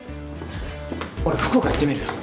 俺福岡行ってみる。